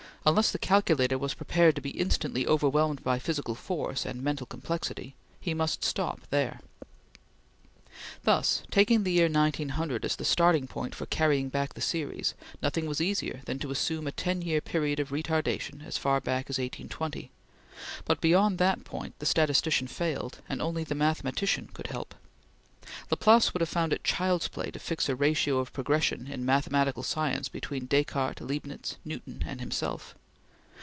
Unless the calculator was prepared to be instantly overwhelmed by physical force and mental complexity, he must stop there. Thus, taking the year 1900 as the starting point for carrying back the series, nothing was easier than to assume a ten year period of retardation as far back as 1820, but beyond that point the statistician failed, and only the mathematician could help. Laplace would have found it child's play to fix a ratio of progression in mathematical science between Descartes, Leibnitz, Newton, and himself.